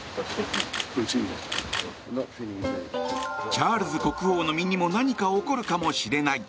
チャールズ国王の身にも何か起こるかもしれない。